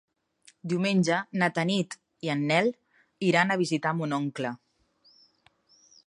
Diumenge na Tanit i en Nel iran a visitar mon oncle.